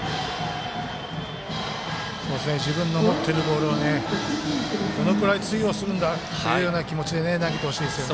自分の持ってるボールをどのくらい通用するんだっていう気持ちで投げてほしいですよね。